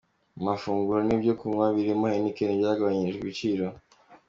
Amafunguro n’ibyo kunywa birimo Heineken byagabanyirijwe ibiciro.